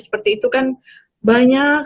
seperti itu kan banyak